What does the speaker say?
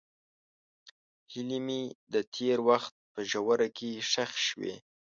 هیلې مې د تېر وخت په ژوره کې ښخې شوې.